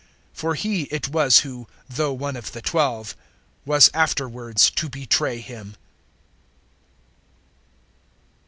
For he it was who, though one of the Twelve, was afterwards to betray Him.